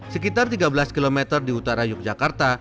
sekitar tiga belas km di utara yogyakarta